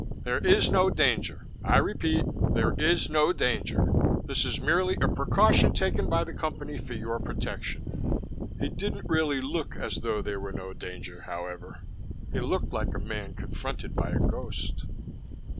There is no danger. I repeat, there is no danger. This is merely a precaution taken by the Company for your protection." He didn't really look as though there were no danger, however. He looked like a man confronted by a ghost.